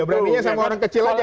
ya beraninya sama orang kecil aja tuh